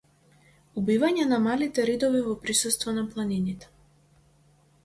Убивање на малите ридови во присуство на планините.